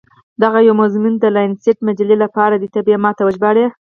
دغه یو مضمون د لانسیټ مجلې لپاره دی، ته به يې ما ته وژباړې.